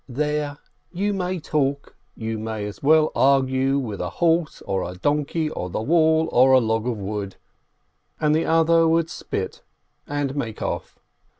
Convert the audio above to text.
"There, you may talk! You might as well argue with a horse, or a donkey, or the wall, or a log of wood !" and the other would spit and make off.